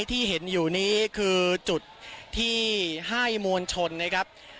ที่เห็นอยู่นี้คือจุดที่ให้มวลชนนะครับ